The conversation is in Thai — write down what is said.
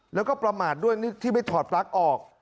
แล้วก็ประมาทด้วยที่ไม่ถอดปลั๊กออก